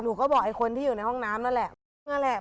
หนูก็บอกไอคนที่อยู่ในห้องน้ำนั่นแหละ